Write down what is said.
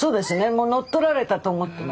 もう乗っ取られたと思ってますから。